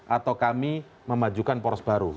atau kami memajukan poros baru